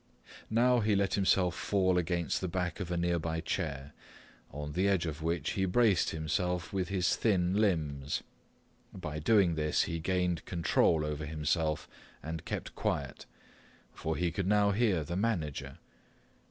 Now he let himself fall against the back of a nearby chair, on the edge of which he braced himself with his thin limbs. By doing this he gained control over himself and kept quiet, for he could now hear the manager.